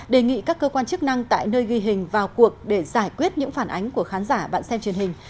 đề nghị các cơ quan chức năng tại nơi ghi hình vào cuộc để giải quyết những phản ánh của khán giả bạn xem truyền hình